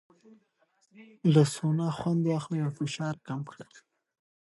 له سونا خوند واخلئ او فشار کم کړئ.